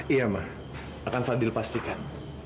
iya mah akan fadil pastikan